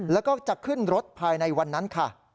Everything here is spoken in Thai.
แล้วก็จะขึ้นรถภายในวันนั้นค่ะ